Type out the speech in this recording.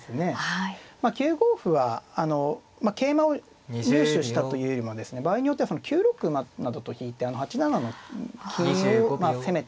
９五歩は桂馬を入手したというよりもですね場合によっては９六馬などと引いて８七の金を攻めていく。